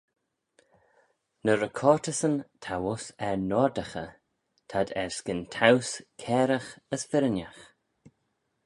Ny recortyssyn t'ou uss er n'oardaghey: t'ad erskyn-towse cairagh as firrinagh.